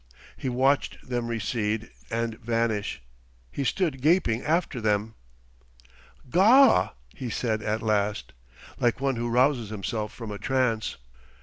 He watched them recede and vanish. He stood gaping after them. "Gaw!" he said at last, like one who rouses himself from a trance.